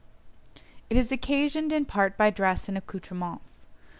It is occasioned in part by dress and accoutrements.